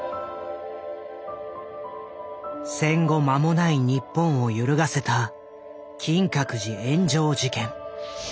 戦後まもない日本を揺るがせた金閣寺炎上事件。